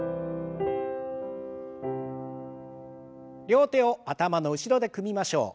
両手を頭の後ろで組みましょう。